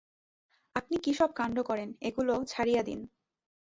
আপনি কী সব কাণ্ড করেন, ওগুলা ছাড়িয়া দিন।